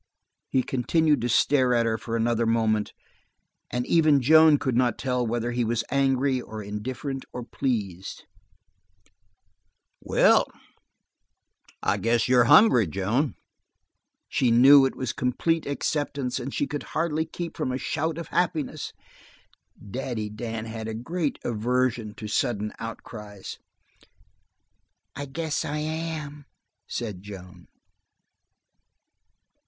He continued to stare at her for another moment, and even Joan could not tell whether he were angry or indifferent or pleased. "Well," he murmured at length, "I guess you're hungry, Joan?" She knew it was complete acceptance, and she could hardly keep from a shout of happiness. Daddy Dan had a great aversion to sudden outcries. "I guess I am," said Joan.